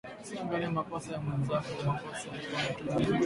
Usiangalie makosa ya mwenzako makosa iko na kila mutu